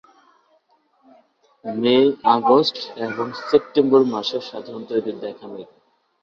মে, August এবং September মাসে সাধারণত এদের দেখা মেলে।